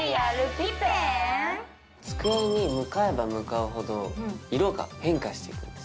机に向かえば向かうほど色が変化していくんです